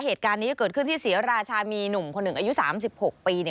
เหตุการณ์นี้เกิดขึ้นที่ศรีราชามีหนุ่มคนหนึ่งอายุ๓๖ปี